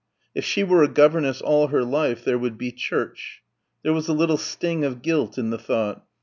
If she were a governess all her life there would be church. There was a little sting of guilt in the thought.